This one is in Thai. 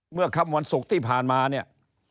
คำวันศุกร์ที่ผ่านมาเนี่ย